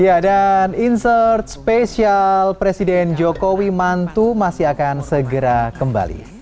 ya dan insight spesial presiden jokowi mantu masih akan segera kembali